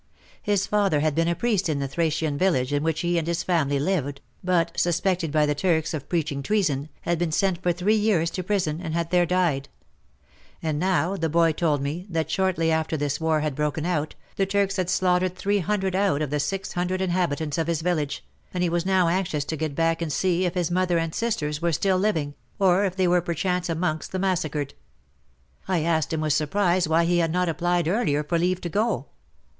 His father had been a priest in the Thracian village in which he and his family lived, but, suspected by the Turks of preaching treason, had been sent for three years to prison and had there died. And now, the boy told me, that shortly after this war had broken out, the Turks had slaughtered 300 out of the 600 inhabitants of his village, and he was now anxious to get back and see if his mother and WAR AND WOMEN 153 sisters were still living, or if they were per chance amongst the massacred. I asked him with surprise why he had not applied earlier for leave to go